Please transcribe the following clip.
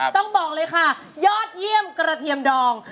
ต้องบอกเลยค่ะยอดเยี่ยมกระเทียมดอง